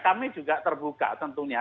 kami juga terbuka tentunya